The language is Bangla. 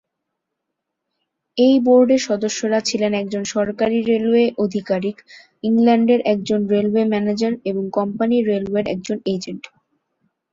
এই বোর্ডের সদস্যরা ছিলেন একজন সরকারি রেলওয়ে আধিকারিক, ইংল্যান্ডের একজন রেলওয়ে ম্যানেজার এবং কোম্পানি রেলওয়ের একজন এজেন্ট।